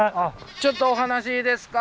ちょっとお話いいですか？